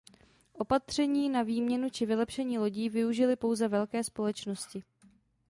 Opatření na výměnu či vylepšení lodí využily pouze velké společnosti.